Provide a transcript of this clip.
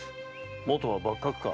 元は幕閣か。